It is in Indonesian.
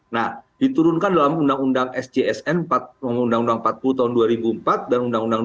nah diturunkan dalam undang undang sjsn undang undang empat puluh tahun dua ribu empat